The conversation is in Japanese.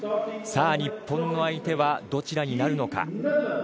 日本の相手はどちらになるのか。